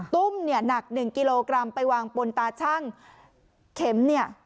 ตุ้มเนี่ยหนักหนึ่งกิโลกรัมไปวางบนตาชั่งเข็มเนี่ย